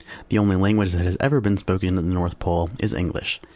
The only language that has ever been spoken at the North Pole is English.